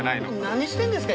何してるんですか？